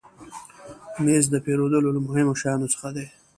مېز د پیرودلو له مهمو شیانو څخه دی.